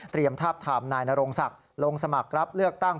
ทาบทามนายนโรงศักดิ์ลงสมัครรับเลือกตั้ง